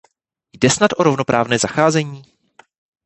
Jde snad o rovnoprávné zacházení?